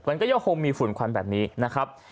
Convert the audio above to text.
มันก็ยังคงมีฝุ่นควันแบบนี้นะครับ